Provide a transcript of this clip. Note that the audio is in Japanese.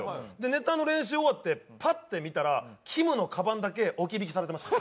ネタの練習終わってパッて見たらきむのカバンだけ置き引きされてました。